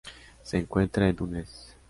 Se encuentra en Túnez.